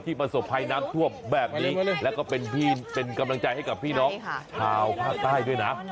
ประสบภัยน้ำท่วมแบบนี้แล้วก็เป็นกำลังใจให้กับพี่น้องชาวภาคใต้ด้วยนะ